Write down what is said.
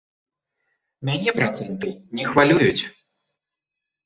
Мяне працэнты не хвалююць.